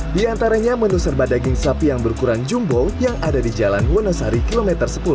di antaranya menu serba daging sapi yang berukuran jumbo yang ada di jalan wonosari kilometer sepuluh